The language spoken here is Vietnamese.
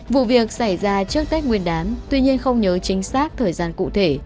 vụ việc xảy ra trước tết nguyên đán tuy nhiên không nhớ chính xác thời gian cụ thể